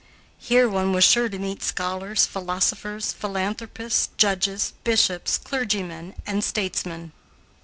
Here one was sure to meet scholars, philosophers, philanthropists, judges, bishops, clergymen, and statesmen.